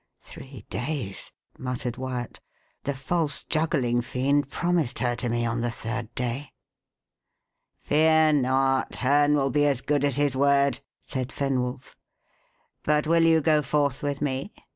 "Three days!" muttered Wyat. "The false juggling fiend promised her to me on the third day." "Fear not; Herne will be as good as his word," said Fenwolf. "But will you go forth with me?